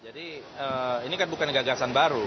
jadi ini kan bukan gagasan baru